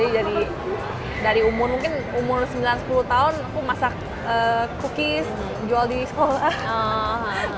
jadi dari umur mungkin umur sembilan sepuluh tahun aku masak cookies jual di sekolah